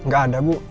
gak ada bu